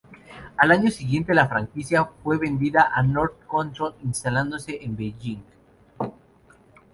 Al año siguiente la franquicia fue vendida a North Control, instalándose en Beijing.